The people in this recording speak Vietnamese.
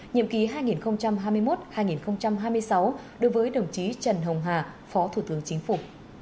nhiệm ký hai nghìn hai mươi một hai nghìn hai mươi sáu đối với đồng chí trần hồng hà phó thủ tướng chính phủ